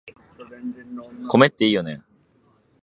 米っていいよね